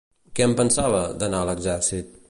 Què en pensava, d'anar a l'exèrcit?